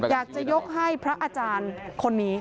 อยากจะยกให้พระอาจารย์คนนี้